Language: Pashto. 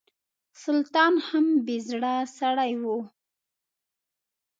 سلطان هم بې زړه سړی و.